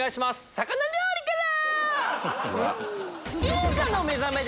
魚料理から！